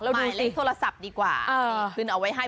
ดูเลขโทรศัพท์ดีกว่าขึ้นเอาไว้ให้